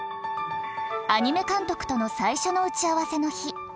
アニメ監督との最初の打ち合わせの日。